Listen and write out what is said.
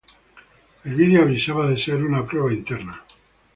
El video avisaba de ser una "prueba interna".